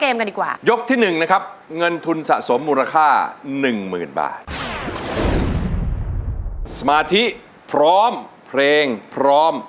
ใช้ไม่ใช้ไม่ใช้ไม่ใช้ไม่ใช้ไม่ใช้ไม่ใช้ไม่ใช้ไม่ใช้ไม่ใช้